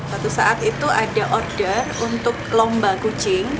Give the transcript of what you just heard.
waktu saat itu ada order untuk lomba kucing